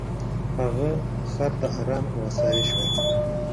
هغه خر ته ارام او آسایش ورکړ.